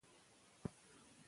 چای مه یخوئ.